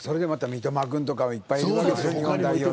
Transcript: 三笘君とかも他にもいっぱいいるわけでしょ。